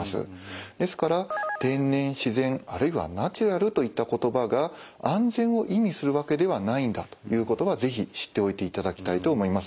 ですから天然自然あるいはナチュラルといった言葉が安全を意味するわけではないんだということは是非知っておいていただきたいと思います。